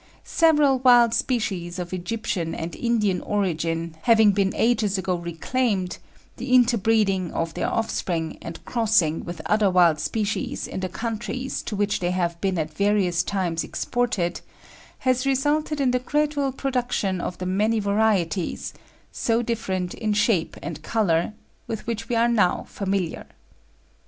Several wild species of Egyptian and Indian origin having been ages ago reclaimed, the interbreeding of their offspring and crossing with other wild species in the countries to which they have been at various times exported, has resulted in the gradual production of the many varieties, so different in shape and colour, with which we are now familiar."